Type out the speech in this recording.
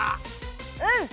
うん！